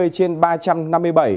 bốn mươi trên ba trăm năm mươi bảy